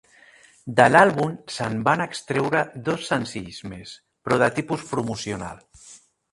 De l'àlbum se'n van extreure dos senzills més però de tipus promocional.